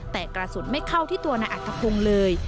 แต่กระสุนไม่เข้าที่ตัวนายอัตภพงศ์เลย